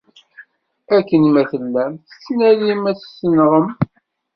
Akken ma tellam, tettnadim ad t-tenɣem.